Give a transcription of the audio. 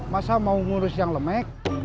masa mau ngurus yang lemek